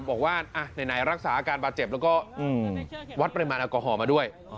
บอกว่าไหนรักษาอาการบาดเจ็บแล้วก็วัดปริมาณแอลกอฮอล์มาด้วย